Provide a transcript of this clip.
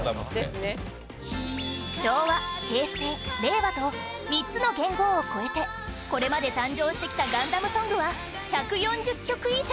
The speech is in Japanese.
昭和、平成、令和と３つの元号を超えてこれまで誕生してきた『ガンダム』ソングは１４０曲以上